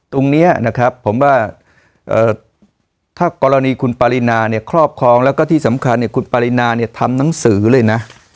ตรงนี้นะครับผมว่าถ้ากรณีคุณปรินาเนี่ยครอบครองแล้วก็ที่สำคัญเนี่ยคุณปรินาเนี่ยทำหนังสือเลยนะ